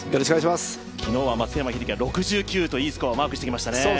昨日は松山英樹、６９といいスコアを出してきましたね。